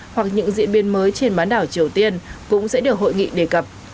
hoặc những diễn biến mới trên bán đảo triều tiên cũng sẽ được hội nghị đề cập